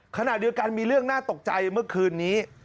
ขณะเดียวกันมีเรื่องน่าตกใจเมื่อคืนนี้